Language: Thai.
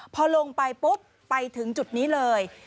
พอลงไปปุ๊บไปถึงจุดนี้เลย